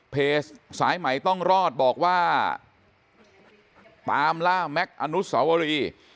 เพจสายใหม่ต้องรอดบอกว่าตามล่าแม็กซ์อนุสวรี